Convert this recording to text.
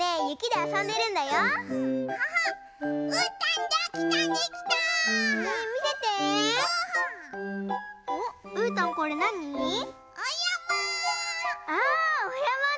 あおやまね。